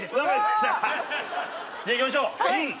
じゃあいきましょう。